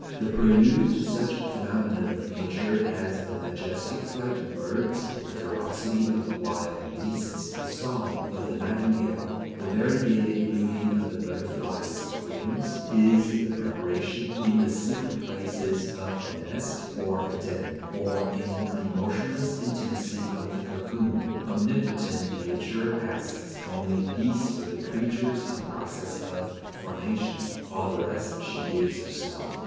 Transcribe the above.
The prelude to such phenomena of Nature as the majestic flight of birds, the ferocity of wild beasts, the song of the nightingale, the variegated beauty of the butterfly's wings, is the preparation in the secret places of a nest or a den, or in the motionless intimacy of the cocoon. Omnipotent Nature asks only peace for the creature in process of formation. All the rest she gives herself.